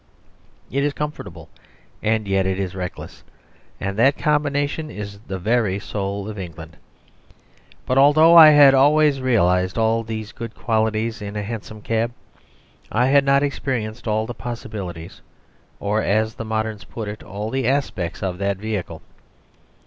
It is comfortable, and yet it is reckless; and that combination is the very soul of England. But although I had always realised all these good qualities in a hansom cab, I had not experienced all the possibilities, or, as the moderns put it, all the aspects of that vehicle.